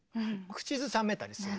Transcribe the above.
口ずさめたりする。